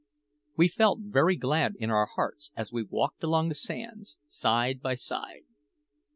We felt very glad in our hearts as we walked along the sands, side by side.